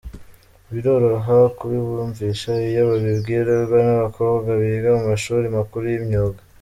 Biroroha kubibumvisha iyo babibwirwa n’abakobwa biga mu mashuri makuru y’imyuga.